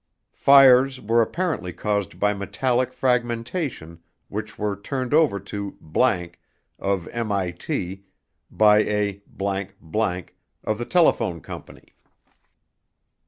FIRES WERE APPARENTLY CAUSED BY METALLIC FRAGMENTATION WHICH WERE TURNED OVER TO ____ OF MIT BY A ________ OF THE TELEPHONE COMPANY.